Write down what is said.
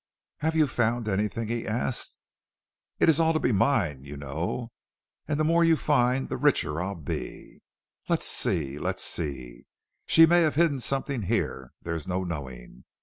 "Have you found anything?" he asked. "It is to be all mine, you know, and the more you find the richer I'll be. Let's see let's see, she may have hidden something here, there is no knowing."